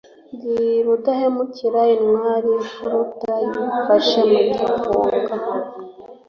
Ndi rudahemukira intwali, imfuruta nyifashe mu gifunga.